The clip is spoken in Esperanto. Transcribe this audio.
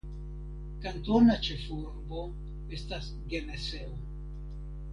Kantona ĉefurbo estas Geneseo.